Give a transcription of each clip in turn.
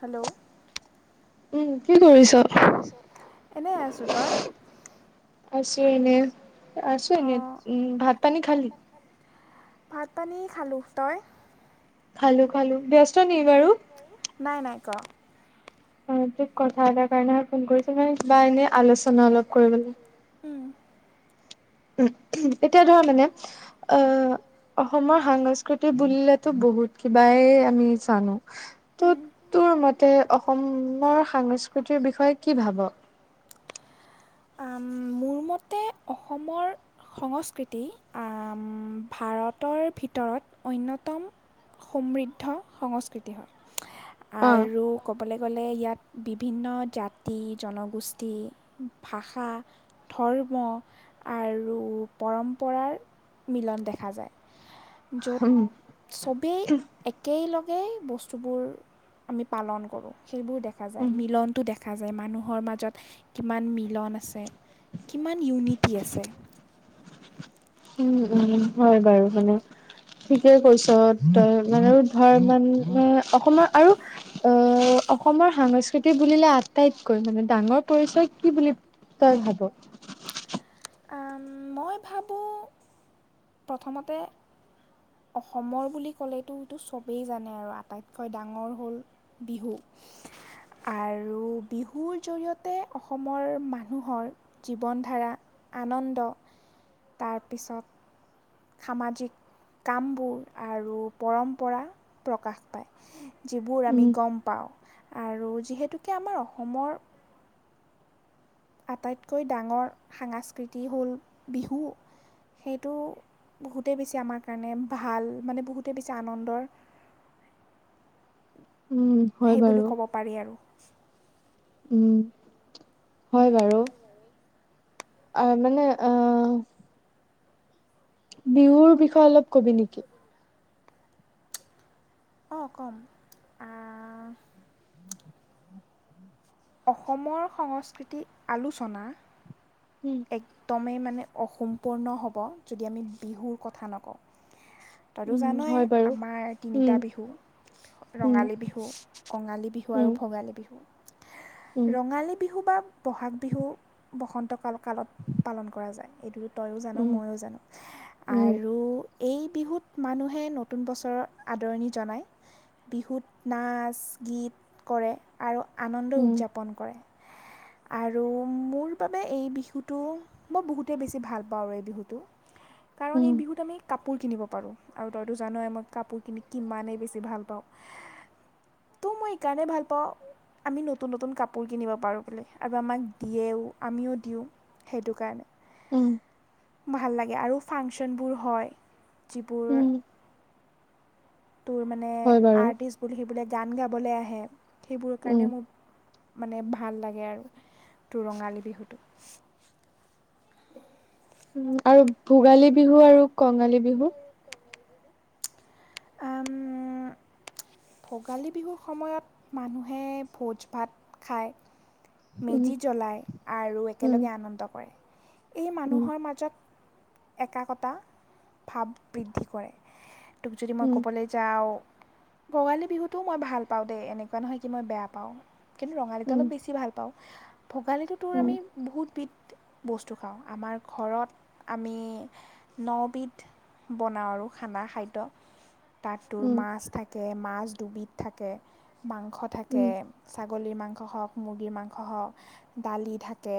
Hello উম কি কৰিছ? এনে আছোঁ, তই? আছোঁ এনে, আছোঁ এনে উম, ভাত পানী খালি? ভাত পানী খালোঁ, তই? খালোঁ খালোঁ। ব্যস্ত নি বাৰু? নাই নাই ক। অ তোক কথা এটাৰ কাৰণেহে ফোন কৰিছিলোঁ কিবা এনে আলোচনা অলপ কৰিবলৈ। উম। উম এতিয়া ধৰা মানে অ অসমৰ সাংস্কৃতিক বুলিলেটো বহুত কিবাই আমি জানোঁ। ত তোৰ মতে অসমৰ সাংস্কৃতিৰ বিষয়ে কি ভাব? আম মোৰ মতে অসমৰ সংস্কৃতি আম ভাৰতৰ ভিতৰত অন্যতম। সমৃদ্ধ সংস্কৃতি হয়। আৰু ক'বলৈ গ'লে ইয়াত বিভিন্ন জাতি জনগোষ্ঠী ভাষা, ধৰ্ম আৰু পৰম্পৰাৰ মিলন দেখা যায়, য'ত চবেই একেলগে বস্তুবোৰ আমি পালন কৰোঁ সেইবোৰ দেখা যায় মিলনটো দেখা যায় মানুহৰ মাজত কিমান মি মিলন আছে, কিমান ইউনিটি আছে। উম উম হয় বাৰু মানে ঠিকে কৈছোঁ তই মানে ধৰ মানে অসমৰ আৰু উম অসমৰ সংস্কৃতি বুলিলে আটাইতকৈ মানে ডাঙৰ পৰিচয় কি বুলি তই ভাব? অম মই ভাবোঁ প্ৰথমতে অসমৰ বুলি ক'লেটো সেইটো চবেই জানে আৰু আটাইতকৈ ডাঙৰ হ'ল বিহু। আৰু বিহুৰ জৰিয়তে অসমৰ মানুহৰ জীৱন ধাৰা আনন্দ তাৰপিছত সামাজিক কামবোৰ আৰু পৰম্পৰা প্ৰকাশ পায়। যিবোৰ আমি গম পাওঁ আৰু যিহেতুকে আমাৰ অসমৰ আটাইতকৈ ডাঙৰ সাংস্কৃতি হ'ল বিহু সেইটো। বহুতেই বেছি আমাৰ কাৰণে ভাল মানে বহুতে বেছি আনন্দৰ। [unintelligible] সেই বুলি ক'ব পাৰি আৰু। উম, হয় বাৰু অ মানে আহ। বিহুৰ বিষয়ে অলপ কবি নেকি। অঁহ ক'ম। অসমৰ সংস্কৃতি আলোচনা। উম। একদমেই মানে অসম্পূৰ্ণ হ'ব যদি আমি বিহুৰ কথা নকওঁ। তইতো জানই আমাৰ তিনিটা বিহু। ৰঙালী বিহু, কঙালী বিহু আৰু ভোগালী বিহু। ৰঙালী বিহু বা বহাগ বিহু বসন্ত কাল কালত পালন কৰা যায় এইটো। তইয়ো জান ময়ো জানো। আৰু এই বিহুত মানুহে নতুন বছৰৰ আদৰণি জনাই। বিহুত নাচ গীত কৰে আৰু আনন্দ উদযাপন কৰে। আৰু মোৰ বাবে এই বিহুতো। মই বহুতেই বেছি ভাল পাওঁ আৰু এই বিহুতো কাৰণ এই বিহুত আমি। কাপোৰ কিনিব পাৰোঁ আৰু তইতো জানই মই কাপোৰ কিনি কিমানেই বেছি ভাল পাওঁ। তো মই এইকাৰণে ভাল পাওঁ। আমি নতুন নতুন কাপোৰ কিনিব পাৰোঁ বুলি। আৰু আমাক দিয়েও, আমিও দিওঁ সেইটো কাৰণে। উম। ভাল লাগে আৰু ফাংচনবোৰ হয়, যিবোৰ। তোৰ মানে আৰ্টিষ্ট বোৰে সেই বোলে গান গাবলে আহে সেইবোৰৰ কাৰণে মোৰ। মানে ভাল লাগে আৰু টো ৰঙালী বিহুটো। উম আৰু ভোগালী বিহু আৰু কঙালী বিহু। আম ওম। [unintelligible] ভোগালী বিহু সময়ত মানুহে ভোজ ভাত খায়। মেজি জ্বলাই আৰু একেলগে আনন্দ কৰে। এই মানুহৰ মাজত। একাকতা ভাৱ বৃদ্ধি কৰে। তোক যদি মই ক'বলে। যাওঁ ভোগালী বিহুতো মই ভাল পাওঁ দে, এনেকুৱা নহয় কি মই বেয়া পাওঁ। কিন্তু ৰঙালীটো অলপ বেছি ভাল পাওঁ ভোগালীটো তোৰ আমি। বহুতবিধ বস্তু খাওঁ, আমাৰ ঘৰত আমি ন বিধ। বনাওঁ আৰু খানা খাদ্য। তাত তোৰ মাছ থাকে, মাছ দুবিধ থাকে, মাংস থাকে। ছাগলী মাংস হক, মুৰ্গীৰ মাংস হক, দালি থাকে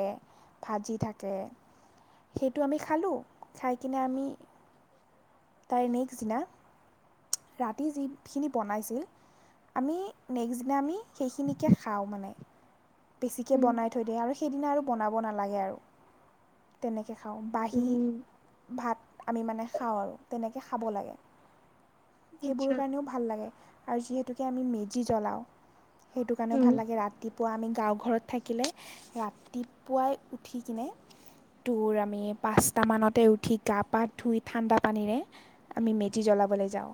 ভাজি থাকে। সেইটো আমি খালোঁ, খাই কিনে আমি তাই নেক্সট দিনা। ৰাতি যিখিনি বনাইছিল। আমি নেক্সট দিনা আমি সেইখিনিকে খাওঁ মানে। বেছিকে বনাই থৈ দিয়ে আৰু সেইদিনা আৰু বনাব নালাগে আৰু। তেনেকে খাওঁ বাঁহী। ভাত আমি মানে খাওঁ আৰু তেনেকে খাব লাগে। সেইবোৰৰ কাৰণেও ভা। ভাল লাগে আৰু যিহেতুকে আমি মেজি জ্বলাও, সেইটো কাৰনেও ভাল লাগে ৰাতিপুৱাৰ আমি। গাঁওঘৰত থাকিলে ৰাতিপুৱাই উঠি কিনে। তোৰ আমি পাঁচটা মানতে উঠি গা পা ধুই ঠাণ্ডা পানীৰে। আমি মেজি জ্বলাবলৈ যাওঁ।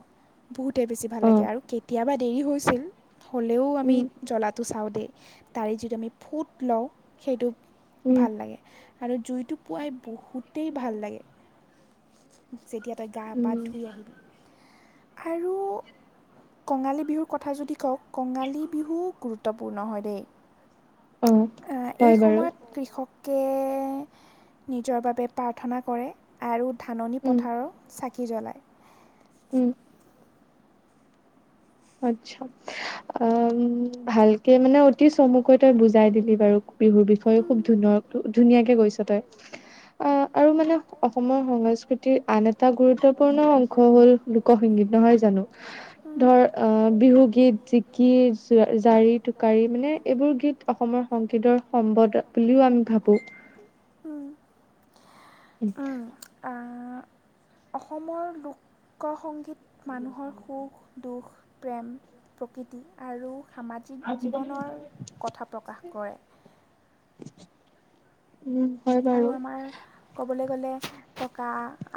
বহুতেই বেছি ভাল লাগে আৰু কেতিয়াবা দেৰি হৈছিল হ'লেও আমি। জ্বলাটো চাওঁতেই তাৰে যিটো আমি ফুট লওঁ সেইটো ভাল লাগে। আৰু জুইটো পোৱাই বহুতেই ভাল লাগে। যেতিয়া তই গা পা ধুই আহিবি আৰু কঙালী বিহুৰ কথা যদি কওঁক কঙালী বিহু গুৰুত্বপূৰ্ণ হয় দেই। এ এই সময়ত কৃষকে নিজৰ বাবে প্ৰাৰ্থনা কৰে। আৰু ধাননি পথাৰৰ চাকি জ্বলায়। উম আচ্ছা অ ভালকে মানে অতি চমুকৈ তই বুজাই দিলি বাৰু বিহুৰ বিষয়ে খুব ধুনৰ ত ধুনীয়াকৈ কৈছ তই। অ আৰু মানে অসমৰ সংস্কৃতিৰ আন এটা গুৰুত্ব পূৰ্ণ অংশ হ'ল লোকসংগীত নহয় জানো ধৰ বিহু গীত, জিকিৰ, জাৰি, টোকাৰি মানে এইবোৰ গীত অসমৰ সংগীতৰ সম্বদ বুলিও আমি ভাবোঁ। অঁ অঁ। আঁ অসমৰ লোক সংগীত মানুহৰ সুখ দুখ, প্ৰেম, প্ৰকৃতি আৰু সামাজিক জীৱনৰ কথা প্ৰকাশ কৰে। উম আৰু আমাৰ ক'বলৈ গ'লে ককা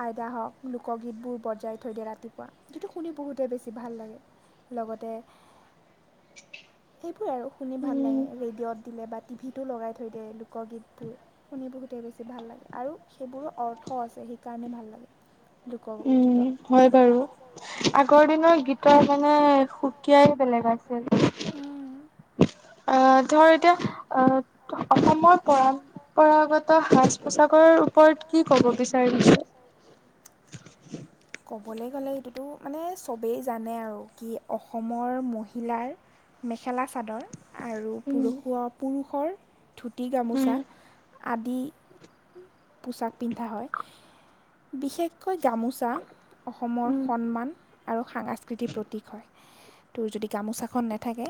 আইদা হওঁক লোকগীতবোৰ বজাই থৈ দিয়ে ৰাতিপুৱা। যিটো শুনি বহুতেই বেছি ভাল লাগে লগতে সেইবোৰে আৰু শুনি ভাল লাগে ৰেডিঅ'ত দিলে বা টিভিতো লগাই থৈ দিয়ে লোকগীতবোৰ শুনি বহুত তে বেছি ভাল লাগে আৰু সেইবোৰৰ অৰ্থ আছে সেইকাৰণে ভাল লাগে লোকগীতৰ। হয় বাৰু আগৰ দিনৰ গীতৰ মানে সুকীয়াই বেলেগ আছিল। উম আহ ধৰ এতিয়া আহ অসমৰ পৰা পৰম্পৰাগত সাজ পোছাকৰ ওপৰত কি ক'ব বিচাৰিছে? ক'বলৈ গ'লে এইটোতো মানে চবেই জানে আৰু কি অসমৰ মহিলাৰ মেখেলা চাদৰ আৰু পুৰুষ পুৰুষৰ ধুতি গামোচা। আদি পোচাক পিন্ধা হয় বিশেষকৈ গামোচা। অসমৰ সন্মান আৰু সাংস্কৃতিৰ প্ৰতীক হয়। তোৰ যদি গামোচাখন নেথাকে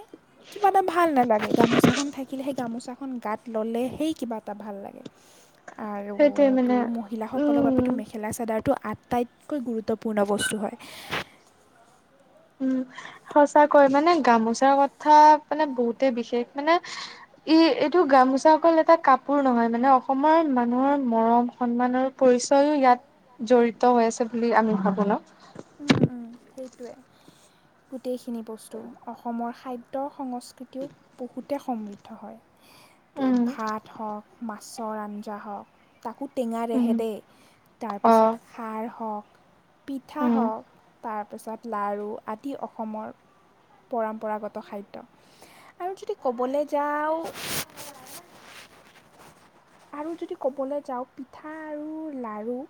কিবা এটা ভাল নালাগে গামোচাখন থাক কিলেহে সেই গামোচাখন গাত ল'লে সেই কিবা এটা ভাল লাগে। আৰু তোৰ মহিলাসকলৰ বাবেতো মেখেলা চাদৰটো আটাইতকৈ গুৰুত গুৰুত্বপূৰ্ণ বস্তু হয়। উম সঁচাকৈ মানে গামোচাৰ কথা মানে বহুতে বিশেষ মানে ই এইটো গামোচা অকল এটা কাপোৰ নহয় মানে অসমৰ মানুহৰ মৰম সন্মানৰ পৰিচয়ও ইয়াত জড়িত হৈ আছে বুলি আমি ভাবো ন? উম উম সেইটোৱে, গোটেইখিনি বস্তু অসমৰ খাদ দ্য সংস্কৃতিও বহুতে সমৃদ্ধ হয় তোৰ ভাত হওঁক মা গাছৰ আঞ্জা হওঁক তাকো টেঙাৰেহে দেই তাৰপিছত খাৰ হওঁক পিঠা হওক তাৰপিছত লাড়ু আদি অসমৰ, পৰম্পৰাগত খাদ্য আৰু যদি ক'বলৈ যাওঁ, আৰু যদি ক'বলৈ যাওঁ পিঠা আৰু লাড়ু।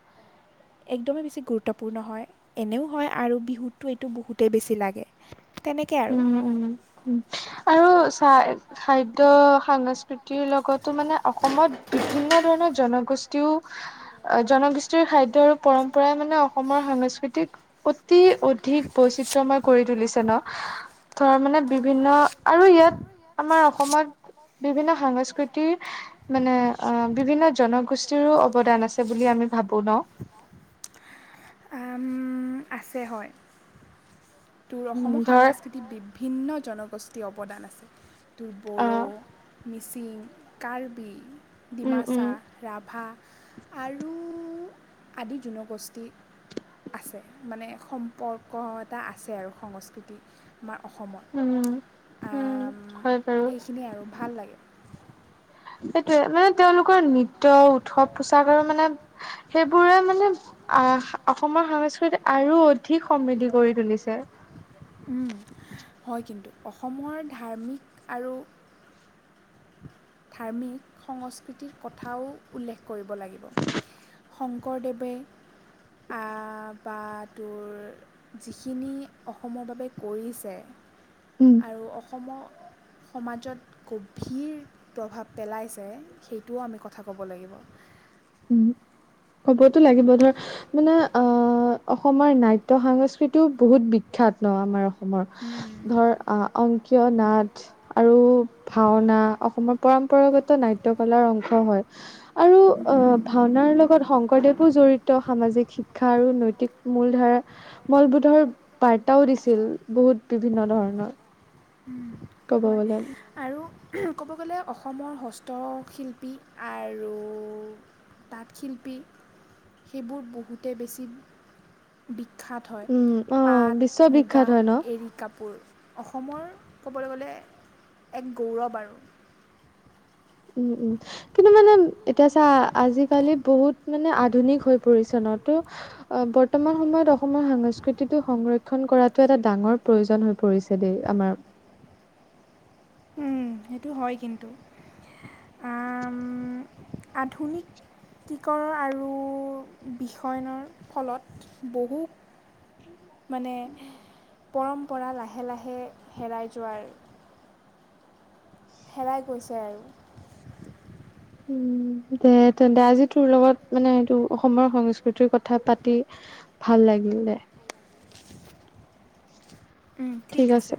একদমেই বেছি গুৰুত্বপূৰ্ণ হয়। এনেও হয় আৰু বিহুতটো এইটো বহুতেই বেছি লাগে। তেনেকে আৰু। উম আৰু চাহ, খাদ্য সংস্কৃতিৰ লগতো মানে অসমত বিভিন্ন ধৰণৰ জনগোষ্ঠীও, জনগোষ্ঠীৰ খাদ্য আৰু পৰম্পৰাই মানে অসমৰ সংস্কৃতিক, অতি অধিক বৈচিত্ৰময় কৰি তুলিছে ন? ধৰা মানে বিভিন্ন আৰু ইয়াত আমাৰ অসমত বিভিন্ন সাংস্কৃ তিৰ বিভিন্ন জনগোষ্ঠীৰো অৱদান আছে বুলি আমি ভাবো ন। উম আছে হয়। অসমৰ সাংস্কৃতিত বিভিন্ন জনগোষ্ঠীৰ অৱদান আছে। বড়ো, মিচিং, কাৰ্বি। ডিমাচা, ৰাভা আৰু, আদি জনগোষ্ঠী আছে মানে সম্পৰ্ক এটা আ ছে আৰু সংস্কৃতি আমাৰ অসমত। আম সেই সেইখিনিয়ে আৰু ভাল লাগে। সেইটোয়ে মানে তেওঁলোকৰ নৃত্য, উৎসৱ পোচাক আৰু মানে সেইবোৰে মানে, আহ অসমৰ সংস্কৃতিক আৰু অধিক সমৃদ্ধি কৰি তুলিছে। উম হয় কিন্তু, অসমৰ ধাৰ্মিক আৰু ধাৰ্মিক সংস্কৃতিৰ কথাও উল্লেখ কৰিব লাগিব। শংকৰদেৱে আ বা তোৰ, যিখিনি অসমৰ বাবে কৰিছে। উম আৰু অসমৰ সমাজত গভীৰ, প্ৰভাৱ পেলাইছে সেইটোও আমি কথা ক'ব লাগিব। উম ক'বতো লাগিব ধৰ মানে আ অসমৰ নাট্য সাংস্কৃতিও বহুত বিখ্যাত ন আমাৰ অসমৰ, ধৰ আ উম অংকিয়া নাট, আৰু ভাওনা অসমৰ পৰম্পৰাগত নাট্যকলাৰ অংশ হয়। আৰু ভাওনাৰ লগত শংকৰদেৱো জড়িত সামাজিক শিক্ষা আৰু নৈতিক মূল ধাৰা, মূল্যবোধৰ বাৰ্তাও দিছিল বহুত বিভিন্ন ধৰণৰ। উম হয়। আৰু ক'ব গ'লে অসমৰ হস্তশিল্প আৰু, তাঁত শিল্পী সেইবোৰ বহুতে বেছি, বিখ্যাত হয়। পাট, মুগা, এৰী কাপোৰ। অসমৰ ক'বলৈ গ'লে, এক গৌৰৱ আৰু। উম উম, কিন্তু মানে এতিয়া চা আজিকালি বহুত মানে আধুনিক হৈ পৰিছে নতো। আ বৰ্তমান সময়ত অসমৰ সংস্কৃতিটো সংৰক্ষণ কৰাটো এটা ডাঙৰ প্ৰয়োজন হৈ পৰিছে দেই আমাৰ। উম সেইটো হয় কিন্তু। আম আধুনিক কিকৰ আৰু বিষয়নৰ ফলত বহু মানে পৰম্পৰা লাহে লাহে হেৰাই যোৱাৰ হেৰাই গৈছে আৰু। উম দে তেন্তে, আজি তোৰ লগত মানে এইটো অসমৰ সংস্কৃতিৰ কথা পাতি ভাল লাগিল দে উম ঠিক আছে।